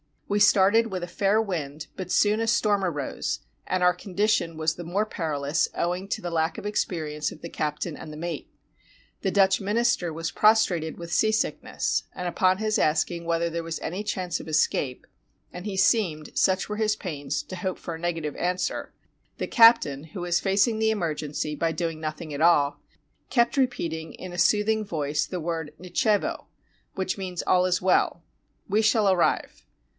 We started with a fair wind, but soon a storm arose, and our condition was the more perilous owing to the lack of experience of the captain and the mate. The Dutch minister was prostrated with seasick ness, and upon his asking whether there was any chance of escape, — and he seemed, such were his pains, to hope for a negative answer, — the captain, who was facing the emergency by doing nothing at all, kept on repeating in a soothing voice the word Nichevo (which means "All is well"); "we shall arrive."